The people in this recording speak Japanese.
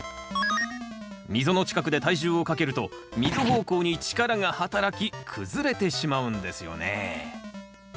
溝の近くで体重をかけると溝方向に力が働き崩れてしまうんですよね。